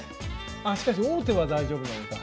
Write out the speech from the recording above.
あしかし王手は大丈夫なのか。